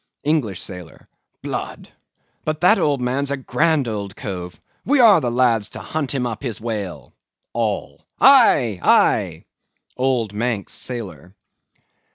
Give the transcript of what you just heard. ENGLISH SAILOR. Blood! but that old man's a grand old cove! We are the lads to hunt him up his whale! ALL. Aye! aye! OLD MANX SAILOR.